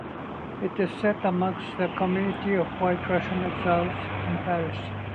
It is set amongst the community of White Russian exiles in Paris.